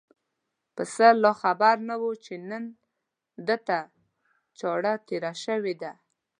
پسه لا خبر نه و چې نن ده ته چاړه تېره شوې ده.